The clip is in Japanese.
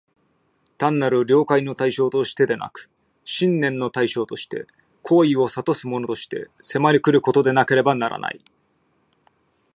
単なる了解の対象としてでなく、信念の対象として、行為を唆すものとして、迫り来ることでなければならない。